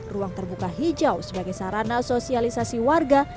ruang terbuka hijau sebagai sarana sosialisasi warga